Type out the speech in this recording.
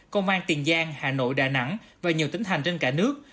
công an tiền giang hà nội đà nẵng và nhiều tỉnh thành trên cả nước